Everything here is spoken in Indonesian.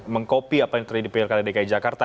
mengkopi apa yang terjadi di pilkada dki jakarta